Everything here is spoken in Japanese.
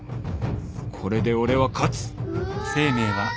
これで俺は勝つうわ。